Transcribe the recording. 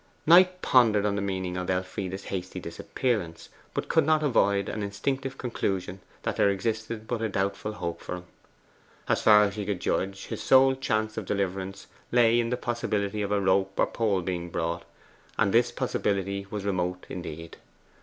Knight pondered on the meaning of Elfride's hasty disappearance, but could not avoid an instinctive conclusion that there existed but a doubtful hope for him. As far as he could judge, his sole chance of deliverance lay in the possibility of a rope or pole being brought; and this possibility was remote indeed.